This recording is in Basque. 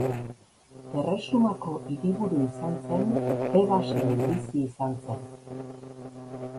Erresumako hiriburu izan zen Tebasen bizi izan zen.